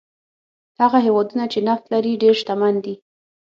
هغه هېوادونه چې نفت لري ډېر شتمن دي.